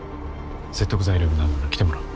説得材料になるなら来てもらう。